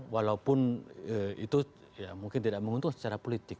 walaupun itu ya mungkin tidak menguntung secara politik